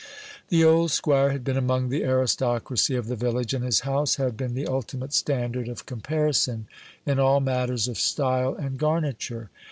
The old squire had been among the aristocracy of the village, and his house had been the ultimate standard of comparison in all matters of style and garniture.